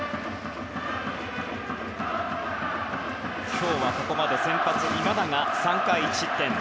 今日はここまで先発、今永が３回１失点。